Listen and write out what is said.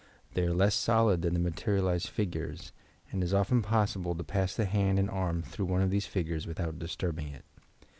They are less solid than the materialized figures, and it is often possible to pass the hand and arm through one of these figures without disturbing it.